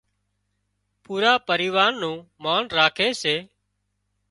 پُورا پريوار نُون مانَ راکي سي